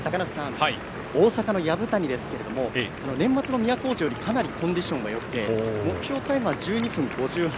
大阪の薮谷ですが年末の都大路よりかなりコンディションがよくて目標タイムは１２分５８。